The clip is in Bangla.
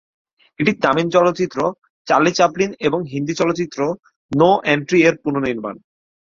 এটি তামিল চলচ্চিত্র চার্লি চ্যাপলিন এবং হিন্দি চলচ্চিত্র 'নো এন্ট্রি'-এর পুনঃনির্মাণ।